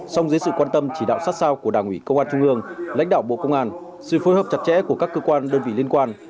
song dưới sự quan tâm chỉ đạo sát sao của đảng ủy công an trung ương lãnh đạo bộ công an sự phối hợp chặt chẽ của các cơ quan đơn vị liên quan